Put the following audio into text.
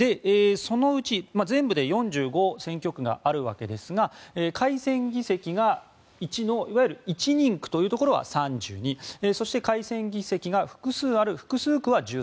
そのうち全部で４５選挙区があるわけですが改選議席が１のいわゆる１人区というところは３２そして改選議席が複数ある複数区は１３。